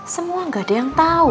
semua gak ada yang tau